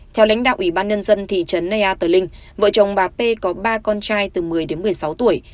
theo lãnh đạo ủy ban nhân dân thị trấn ea tờ linh vợ chồng bà p có ba con trai từ một mươi đến một mươi sáu tuổi